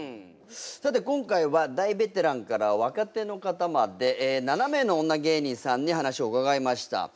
さて今回は大ベテランから若手の方まで７名の女芸人さんに話を伺いました。